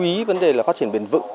chú ý vấn đề là phát triển bền vững